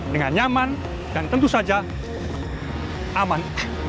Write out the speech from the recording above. dengan nyaman dan tentu saja aman